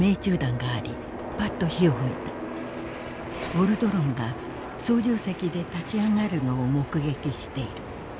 「ウォルドロンが操縦席で立ちあがるのを目撃している。